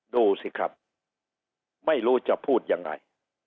ดูสิครับไม่รู้จะพูดยังไง